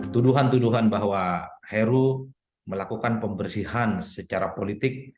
tuduhan tuduhan bahwa heru melakukan pembersihan secara politik